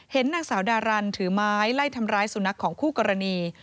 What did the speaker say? นางสาวดารันถือไม้ไล่ทำร้ายสุนัขของคู่กรณี